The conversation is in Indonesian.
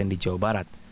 di jawa barat